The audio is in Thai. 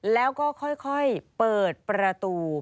แล้วก็ค่อยเปิดประตู